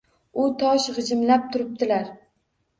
U tosh g‘ijimlab turibdilar.